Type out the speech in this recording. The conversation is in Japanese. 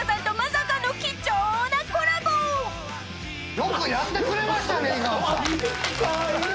よくやってくれましたね井川さん。